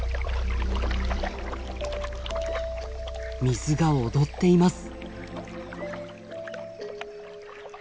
水が踊っています。